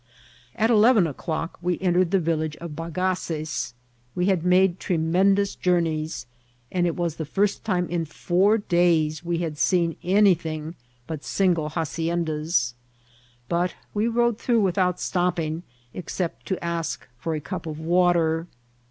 At eleven o'clock we entered the village of Bagases* We had made tremendous jonme]rs, and it was the first time in four days we had seen anydung but single ha^ oiendas, but we rode through without Stopping, except to ask for a ciq> of water.